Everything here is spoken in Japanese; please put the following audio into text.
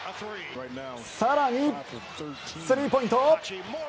更に、スリーポイント。